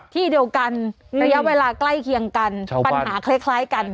ที่เดียวกันระยะเวลาใกล้เคียงกันปัญหาคล้ายกัน